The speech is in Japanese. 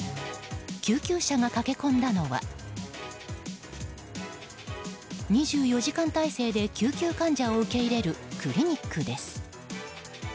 救急車が駆け込んだのは２４時間態勢で救急患者を受け入れるクリニックです。